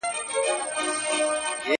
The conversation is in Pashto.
که نور څوک نسته سته څه يې کوې شېرينې